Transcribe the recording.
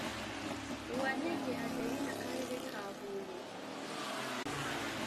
uwantege adelyne akarere ka huye